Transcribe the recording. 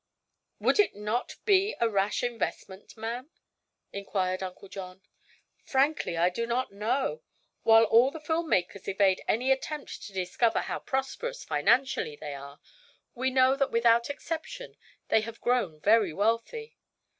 "Would it not be a rash investment, ma'am?" inquired Uncle John. "Frankly, I do not know. While all the film makers evade any attempt to discover how prosperous financially they are, we know that without exception they have grown very wealthy.